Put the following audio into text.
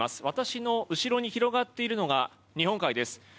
私の後ろに広がっているのが日本海です。